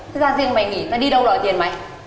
thế ra riêng mẹ nghĩ ta đi đâu đòi tiền mày